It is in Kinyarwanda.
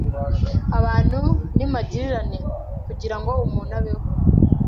abantu ni magirirane. Kugira ngo umuntu abeho